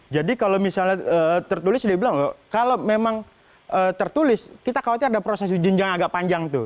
jadi kalau misalnya tertulis kalau memang tertulis kita khawatir ada proses ujian yang agak panjang